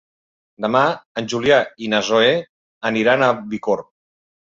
Demà en Julià i na Zoè aniran a Bicorb.